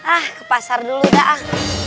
ah ke pasar dulu dah